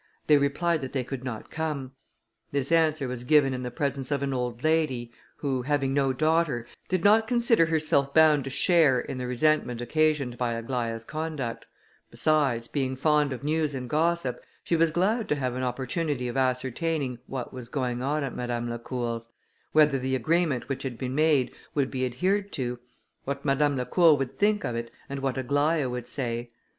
They replied, that they could not come. This answer was given in the presence of an old lady, who, having no daughter, did not consider herself bound to share in the resentment occasioned by Aglaïa's conduct; besides, being fond of news and gossip, she was glad to have an opportunity of ascertaining what was going on at Madame Lacour's; whether the agreement which had been made would be adhered to; what Madame Lacour would think of it, and what Aglaïa would say.